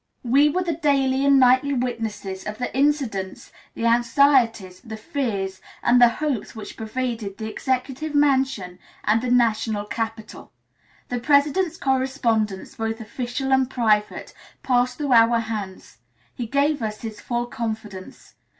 We were the daily and nightly witnesses of the incidents, the anxieties, the fears, and the hopes which pervaded the Executive Mansion and the National Capital. The President's correspondence, both official and private, passed through our hands; he gave us his full confidence.